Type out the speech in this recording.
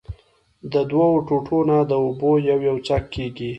د دؤو ټوټو نه د اوبو يو يو څک کېږي